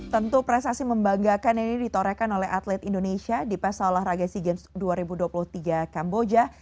tentu prestasi membanggakan ini ditorekan oleh atlet indonesia di pesta olahraga sea games dua ribu dua puluh tiga kamboja